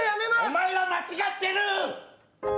お前は間違っている！